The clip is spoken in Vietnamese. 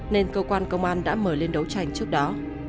nên cơ quan công an đã mời lên đấu tranh trước đó